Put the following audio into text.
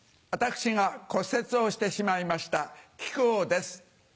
私が骨折をしてしまいました木久扇です。